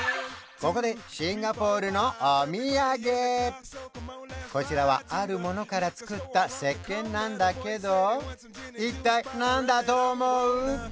ここでシンガポールのお土産こちらはあるものから作ったせっけんなんだけど一体何だと思う？